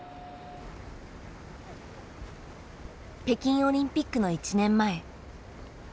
北京オリンピックの１年前。